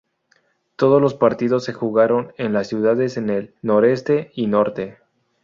Todos los partidos se jugaron en las ciudades en el Noreste y Norte.